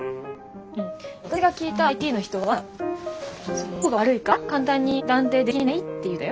うん私が聞いたＩＴの人はどこが悪いか簡単に断定できないって言ってたよ。